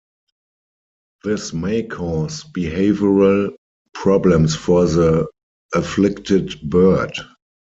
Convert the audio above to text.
This may cause behavioural problems for the afflicted bird.